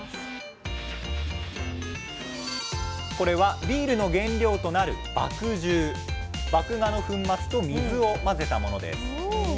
これはビールの原料となる麦芽の粉末と水を混ぜたものです。